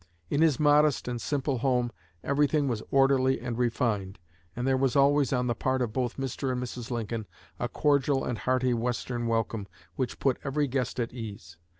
In his modest and simple home everything was orderly and refined, and there was always, on the part of both Mr. and Mrs. Lincoln, a cordial and hearty Western welcome which put every guest at ease.